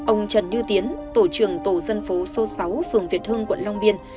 ông trần như tiến tổ trường tổ dân phố số sáu phường việt hương quận long biên